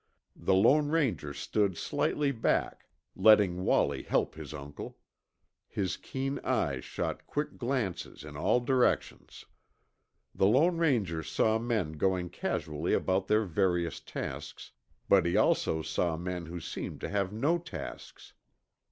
The Lone Ranger stood slightly back, letting Wallie help his uncle. His keen eyes shot quick glances in all directions. The Lone Ranger saw men going casually about their various tasks, but he also saw men who seemed to have no tasks.